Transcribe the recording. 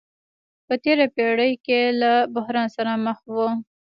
په تېره پېړۍ کې له بحران سره مخ وو.